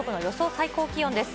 最高気温です。